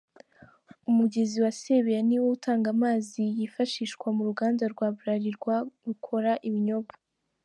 Umugezi wa Sebeya ni wo utanga amazi yifashishwa n’uruganda rwa Bralirwa rukora ibinyobwa.